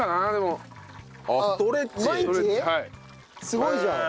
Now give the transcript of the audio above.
すごいじゃん。